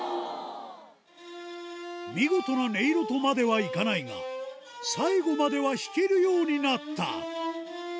見事な音色とまではいかないが最後までは弾けるようになった